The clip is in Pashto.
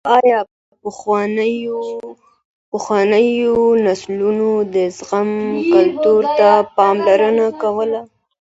ايا پخوانيو نسلونو د زغم کلتور ته پاملرنه کوله؟